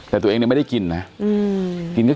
แต่ตัวเองยังไม่ได้กินน่ะ